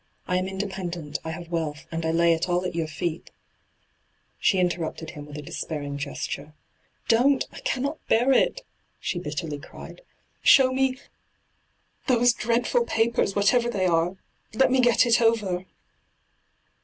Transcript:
I am independent, I have wealth, and I lay it all at your feet ' She interrupted him with a despairing ' Don't 1 I cannot bear it !' she bitterly cried. 'Show me— those dreadful papers, whatever they are ; let me get it over